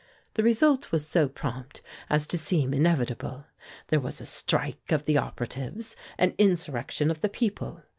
The result was so prompt as to seem inevitable; there was a strike of the operatives, an insurrection of the people.